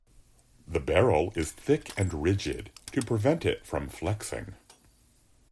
The barrel is thick and rigid, to prevent it from flexing.